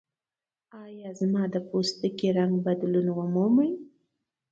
یا زما د پوستکي رنګ بدلون ومومي.